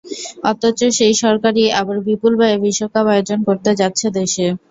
অথচ সেই সরকারই আবার বিপুল ব্যয়ে বিশ্বকাপ আয়োজন করতে যাচ্ছে দেশে।